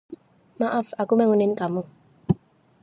Maaf, aku bangunin kamu?